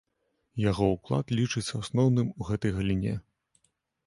Яго ўклад лічыцца асноўным у гэтай галіне.